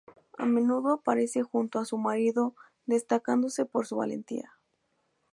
A menudo aparece junto a su marido destacándose por su valentía.